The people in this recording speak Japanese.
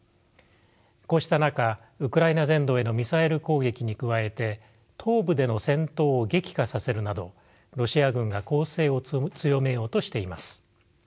こうした中ウクライナ全土へのミサイル攻撃に加えて東部での戦闘を激化させるなどロシア軍が攻勢を強めようとしています。